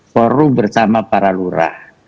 forum bersama para lurah